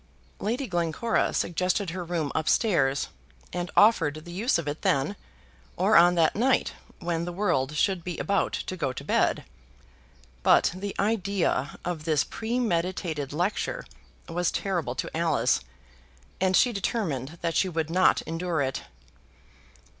Lady Glencora suggested her room up stairs, and offered the use of it then, or on that night when the world should be about to go to bed. But the idea of this premeditated lecture was terrible to Alice, and she determined that she would not endure it.